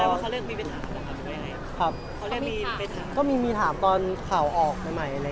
ผมตอบว่ายังไงบ้างเพราะว่ามันเก่าเลยทำไมเขาอยู่แล้ว